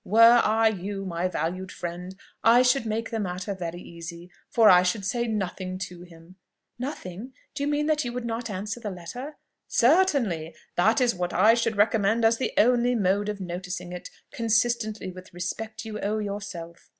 "Were I you, my valued friend, I should make the matter very easy, for I should say nothing to him." "Nothing? Do you mean that you would not answer the letter?" "Certainly: that is what I should recommend as the only mode of noticing it, consistently with the respect you owe yourself."